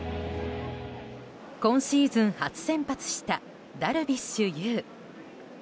今シーズン初先発したダルビッシュ有。